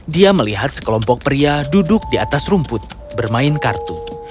dia melihat sekelompok pria duduk di atas rumput bermain kartu